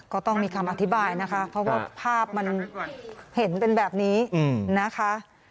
ก็ต้องมีคำอธิบายนะคะเพราะว่าภาพมันเห็นเป็นแบบนี้นะคะ